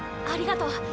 ありがとう。